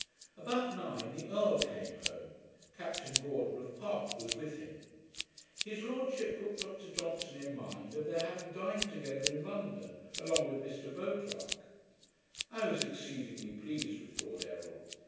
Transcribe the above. About nine the earl came home. Captain Gordon of Park was with him. His lordship put Dr Johnson in mind of their having dined together in London, along with Mr Beauclerk. I was exceedingly pleased with Lord Errol.